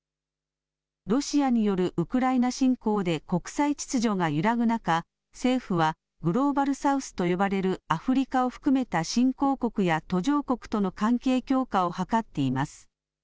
ロシアによるウクライナ侵攻で国際秩序が揺らぐ中、政府は、グローバル・サウスと呼ばれるアフリカを含めた新興国や途上国との関係強化を図っています。